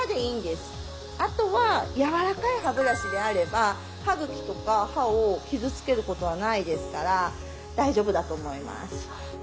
あとはやわらかい歯ブラシであれば歯茎とか歯を傷つけることはないですから大丈夫だと思います。